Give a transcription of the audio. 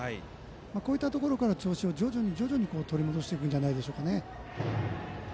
こういったところから調子を徐々に取り戻していくんじゃないですか。